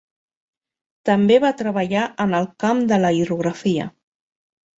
També va treballar en el camp de la hidrografia.